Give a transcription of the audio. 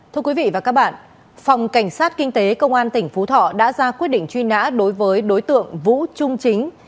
thưa quý vị và các bạn phòng cảnh sát kinh tế công an tỉnh phú thọ đã ra quyết định truy nã đối với đối tượng vũ trung chính